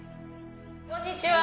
こんにちは。